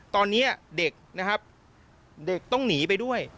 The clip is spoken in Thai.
ตอนนี้เด็กนะครับเด็กต้องหนีไปด้วย